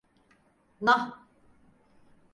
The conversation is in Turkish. Nah!